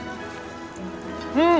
うん！